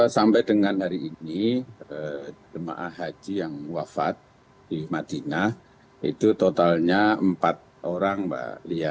sampai dengan hari ini jemaah haji yang wafat di madinah itu totalnya empat orang mbak lia